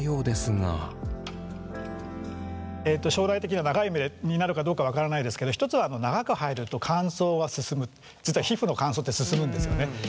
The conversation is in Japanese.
えっと将来的には長い目になるかどうかは分からないですけど１つは実は皮膚の乾燥って進むんですよね。